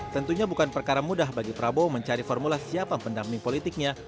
tentunya bukan perkara mudah bagi prabowo mencari formula siapa pendamping politiknya